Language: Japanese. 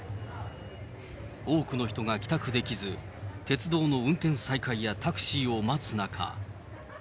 多くの人が帰宅できず、鉄道の運転再開やタクシーを待つ中。